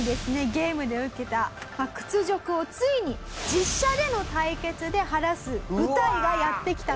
ゲームで受けた屈辱をついに実車での対決で晴らす舞台がやってきたと。